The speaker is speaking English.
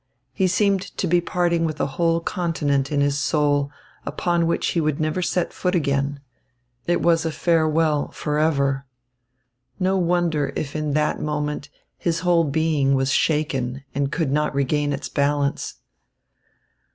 He seemed to be parting with a whole continent in his soul, upon which he would never set foot again. It was a farewell forever. No wonder if in that moment his whole being was shaken and could not regain its balance.